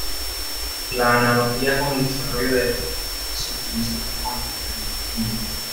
La analogía con el desarrollo de Taylor se utiliza con las diferencias finitas.